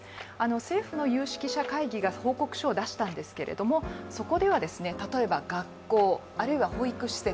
政府の有識者会議が報告書を出したんですけども、そこでは例えば学校、あるいは保育施設